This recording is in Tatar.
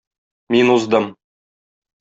Мин уздым.